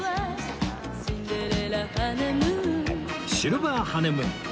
シルバーハネムーン